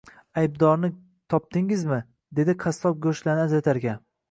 Aybdorni topdingizmi, dedi qassob go`shtlarni ajratarkan